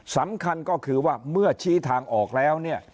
สำคัญก็คือว่าเมื่อชี้ทางออกแล้วเนี่ย